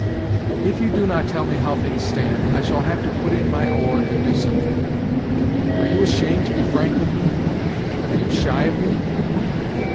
If you do not tell me how things stand, I shall have to put in my oar and do something. Are you ashamed to be frank with me? Are you shy of me?"